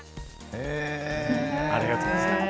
ありがとうございます。